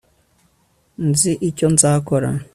nzi icyo nzakora